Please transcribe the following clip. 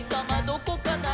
どこかな？」